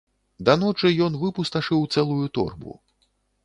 Да ночы, ён выпусташыў цэлую торбу.